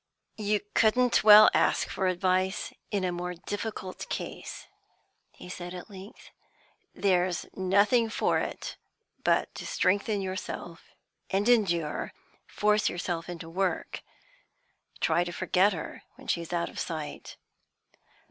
"You couldn't well ask for advice in a more difficult case," he said at length. "There's nothing for it but to strengthen yourself and endure. Force yourself into work. Try to forget her when she is out of sight."